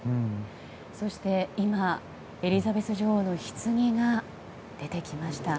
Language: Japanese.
そして今エリザベス女王のひつぎが出てきました。